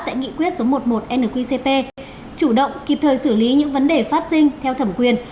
tại nghị quyết số một mươi một nqcp chủ động kịp thời xử lý những vấn đề phát sinh theo thẩm quyền